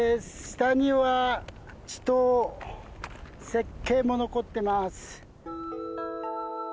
下には池塘雪渓も残ってます。